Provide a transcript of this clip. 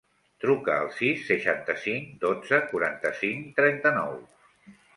Truca al sis, seixanta-cinc, dotze, quaranta-cinc, trenta-nou.